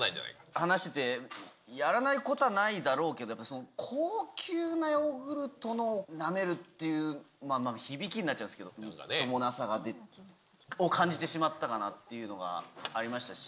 話してて、やらないことはないだろうけど、高級なヨーグルトのをなめるっていう、響きになっちゃうんですけど、みっともなさを感じてしまったかなというのがありましたし。